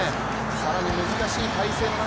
更に難しい体勢の中